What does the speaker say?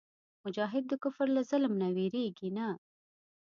مجاهد د کفر له ظلم نه وېرېږي نه.